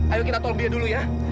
ayo kita tol dia dulu ya